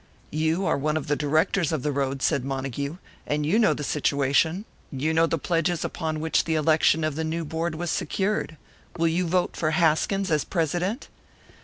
"You are one of the directors of the road," said Montague. "And you know the situation. You know the pledges upon which the election of the new board was secured. Will you vote for Haskins as president?"